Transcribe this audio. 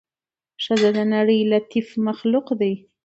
ښځه د نړۍ لطيف مخلوق دې